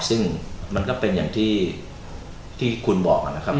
ซึ่งมันก็เป็นอย่างที่คุณบอกนะครับ